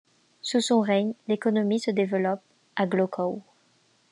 Sous son règne l'économie se développe à Głogów.